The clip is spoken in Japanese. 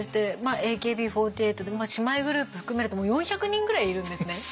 ＡＫＢ４８姉妹グループ含めると４００人ぐらいいるんですね。